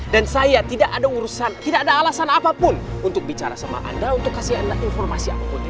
dan saya tidak ada urusan tidak ada alasan apapun untuk bicara sama anda untuk kasih anda informasi aku